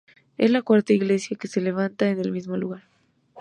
Es la cuarta iglesia que se levanta en el mismo lugar.